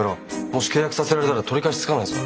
もし契約させられたら取り返しつかないぞ。